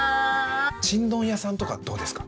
ちんどん屋さんとかどうですか？